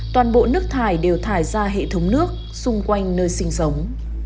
toàn bộ nước thải đều thải ra hệ thống nước xung quanh nơi sinh sống